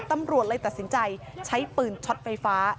ตำรวจเลยตัดสินใจใช้ปืนช็อตไฟฟ้า